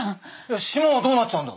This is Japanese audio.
島はどうなっちゃうんだ？